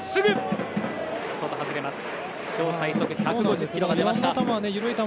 今日最速１５０キロが出ました。